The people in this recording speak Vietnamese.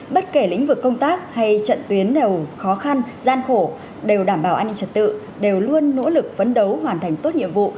bất kể lĩnh vực công tác hay trận tuyến đều khó khăn gian khổ đều đảm bảo an ninh trật tự đều luôn nỗ lực phấn đấu hoàn thành tốt nhiệm vụ